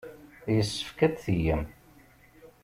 Yessefk ad t-tgemt.